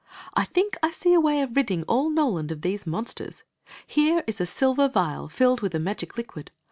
" I think I see a way of ridding all No land of these monsters. Here is a Silver Vial filled with a magic Hquid.